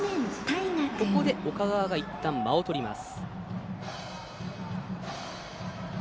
岡川がいったん、間をとります。